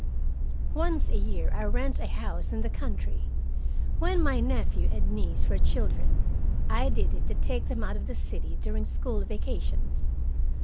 Once a year I rent a house in the country. When my nephew and niece were children, I did it to take them out of the city during school vacations.